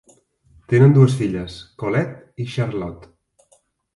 Tenen dues filles, Colette i Charlotte.